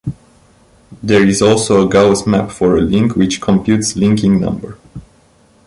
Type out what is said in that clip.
There is also a Gauss map for a link, which computes linking number.